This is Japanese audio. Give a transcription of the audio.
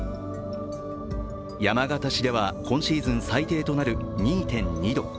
山形市では今シーズン最低となる２．２度。